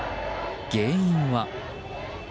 原因は。